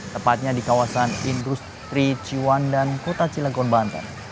tepatnya di kawasan industri ciwan dan kota cilegon banten